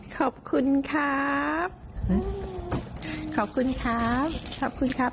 ขอบคุณครับขอบคุณครับขอบคุณครับ